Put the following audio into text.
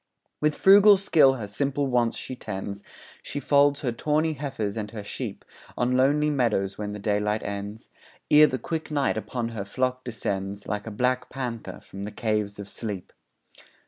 With frugal skill her simple wants she tends, She folds her tawny heifers and her sheep On lonely meadows when the daylight ends, Ere the quick night upon her flock descends Like a black panther from the caves of sleep.